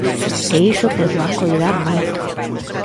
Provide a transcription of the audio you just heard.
E iso que os van coidar moito.